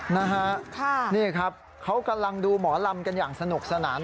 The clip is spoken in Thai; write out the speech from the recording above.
นะฮะนี่ครับเขากำลังดูหมอลำกันอย่างสนุกสนาน